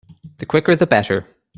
The quicker the better.